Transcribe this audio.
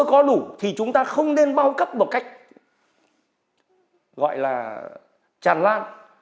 nếu có đủ thì chúng ta không nên bao cấp một cách gọi là tràn lan